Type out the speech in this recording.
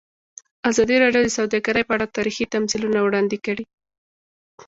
ازادي راډیو د سوداګري په اړه تاریخي تمثیلونه وړاندې کړي.